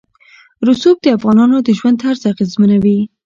رسوب د افغانانو د ژوند طرز اغېزمنوي.